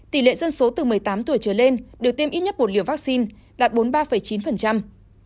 tỷ lệ dân số từ một mươi tám tuổi trở lên được tiêm ít nhất một liều vaccine đạt bốn mươi ba chín